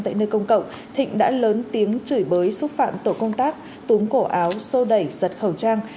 tại nơi công cộng thịnh đã lớn tiếng chửi bới xúc phạm tổ công tác túm cổ áo xô đẩy giật khẩu trang